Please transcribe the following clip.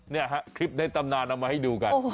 เนี่ยฮะคลิปในตำนานเอามาให้ดูกัน